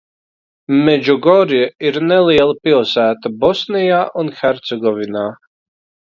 Medžugorje ir neliela pilsēta Bosnijā un Hercegovinā.